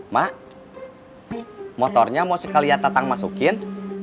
mak motornya mau sekalian tak tang masukin